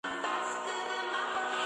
აქ იგი მოსამართლედ აირჩიეს.